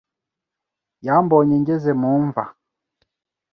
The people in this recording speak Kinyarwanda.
Yambonye ngeze mu mva